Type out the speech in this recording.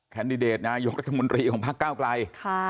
แดดิเดตนายกรัฐมนตรีของพักเก้าไกล